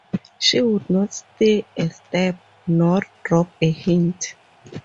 She would not stir a step, nor drop a hint.